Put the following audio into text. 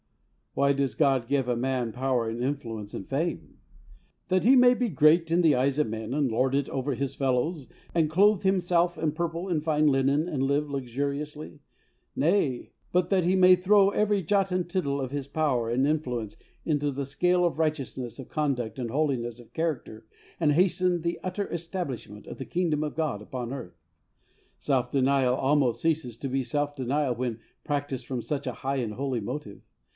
AVhy does God give a man power and influence and fame ? That he may be great in the eyes of men and lord it over his fellows and clothe himself in purple and fine linen and live luxuriously? Nay; but that he may throw every jot and tittle of his power and influence into the scale for righteousness of conduct and holiness of character and hasten the utter establishment of the Kingdom of God upon earth. Self denial almost ceases to be self denial when practised from* such a high and holy motive.